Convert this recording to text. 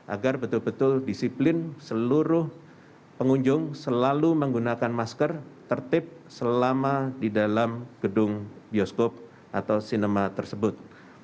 agar betul betul disiplin seluruh pengunjung selalu menggunakan masker tertib selama di dalam gedung bioskop atau sinema tersebut